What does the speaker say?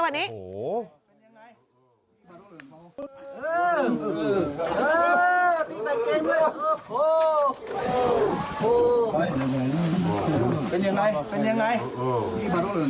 เป็นยังไง